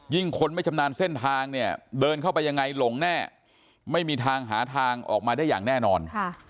คนไม่ชำนาญเส้นทางเนี่ยเดินเข้าไปยังไงหลงแน่ไม่มีทางหาทางออกมาได้อย่างแน่นอน